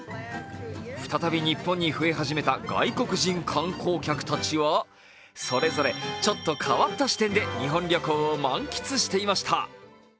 再び日本に増え始めた外国人観光客たちは、それぞれちょっと変わった視点で日本旅行を満喫していました。